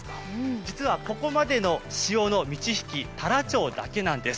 実はここまでの潮の満ち引き、太良町だけなんです。